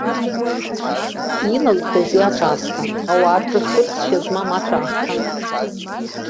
Илалхузеи аҿаасҭа, ауаа рҿы цәырҵшьа змам аҿаасҭа?!